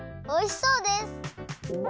おいしそうです！